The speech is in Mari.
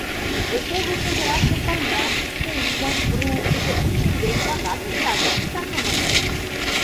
Эсогыл чодыраште пырням, пум монь руыктышо учреждений-влакат ятыр титакым ыштышт.